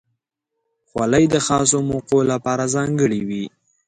خولۍ د خاصو موقعو لپاره ځانګړې وي.